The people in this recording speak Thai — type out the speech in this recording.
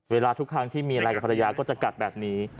ทุกครั้งที่มีอะไรกับภรรยาก็จะกัดแบบนี้